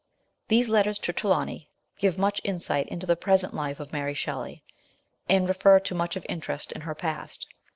These letters to Trelawny give much insight into the present life of Mary Shelley, and refer to much of interest in her past.